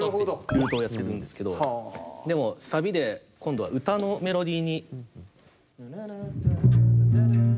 ルートをやってるんですけどでもサビで今度は歌のメロディーに。